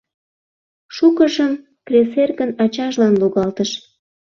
Шукыжым кресэргын ачажлан логалтыш: